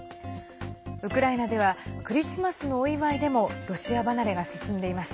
ウクライナではクリスマスのお祝いでもロシア離れが進んでいます。